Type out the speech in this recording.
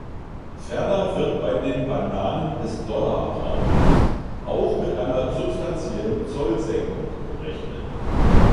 Ferner wird bei den Bananen des Dollarraums auch mit einer substantiellen Zollsenkung gerechnet.